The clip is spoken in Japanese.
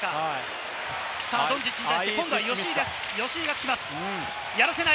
ドンチッチに対して今度は吉井がつきます。